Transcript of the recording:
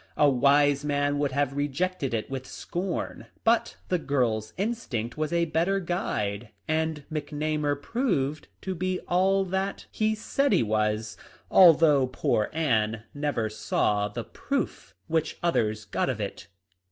A wise man would have rejected it with scorn, but the girl's instinct was a better guide, and McNamar proved to be all that 134 TilE. LIFE OF LINCOLN. he said he was, although poor Anne never saw the proof which others got of it."